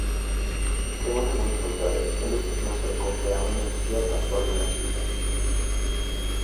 Según algunos autores, el uso es más frecuente aún en ciertas fórmulas fijas.